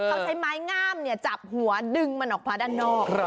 เขาใช้ไม้งามจับหัวดึงมันออกมาด้านนอก